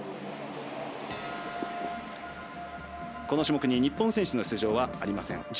この種目に日本選手の出場はありません。